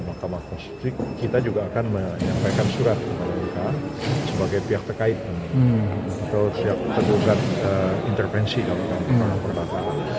mahkamah konstitusi kita juga akan menyampaikan surat kepada mereka sebagai pihak terkait